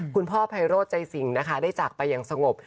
คุณพ่อภัยโรธใจสิงห์นะคะได้จากไปอย่างสงบ